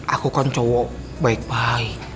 aku kan cowok baik